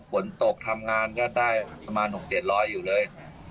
ฝนตกทำงานก็ได้ประมาณ๖๗๐๐อยู่เลย